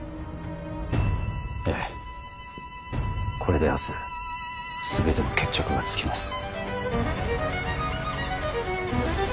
ええこれで明日全ての決着がつきます。